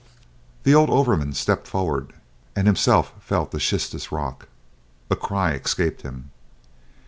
The old overman stepped forward, and himself felt the schistous rock. A cry escaped him.